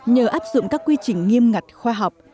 nhờ áp dụng các quy trình nghiêm ngặt khoa học